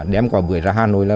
đem quả bưởi ra hà nội